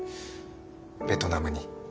ベトナムに。